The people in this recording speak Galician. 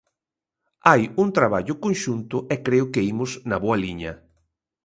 Hai un traballo conxunto e creo que imos na boa liña.